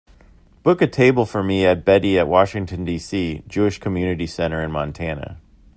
book a table for me and bettye at Washington, D.C. Jewish Community Center in Montana